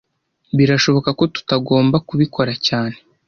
Birashoboka ko tutagomba kubikora cyane